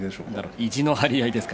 意地の張り合いですか。